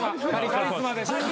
カリスマ？